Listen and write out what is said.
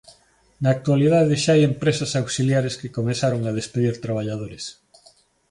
Na actualidade xa hai empresas auxiliares que comezaron a despedir traballadores.